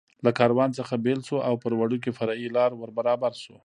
له کاروان څخه بېل شو او پر وړوکې فرعي لار ور برابر شو.